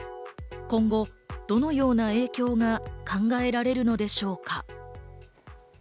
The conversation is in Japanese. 今後どのような影響が考えられるのでしょうか？